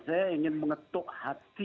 saya ingin mengetuk hati